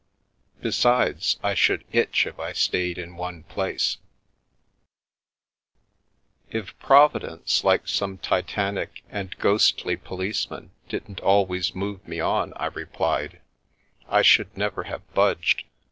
Besides, I should itch if I stayed in one place !" "If Providence, like some titanic and ghostly police man, didn't always move me on," I replied, " I should never have budged.